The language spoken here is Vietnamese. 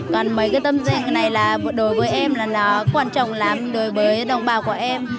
còn mấy cái tâm dạng này là đối với em là nó quan trọng lắm đối với đồng bào của em